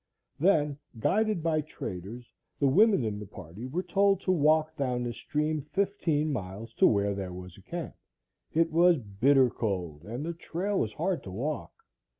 Then, guided by traders, the women in the party were told to walk down the stream fifteen miles to where there was a camp. It was bitter cold and the trail was hard to walk.